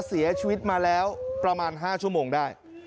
เสียชีวิตมาแล้วประมาณ๕ชั่วโมงได้